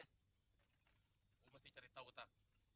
lo mesti cari tau tak